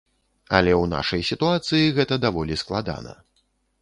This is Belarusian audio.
Але ў нашай сітуацыі гэта даволі складана.